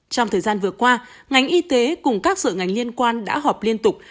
trong thời gian vừa qua ngành y tế cùng các sở ngành liên quan đã họp liên tục